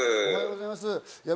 おはようございます。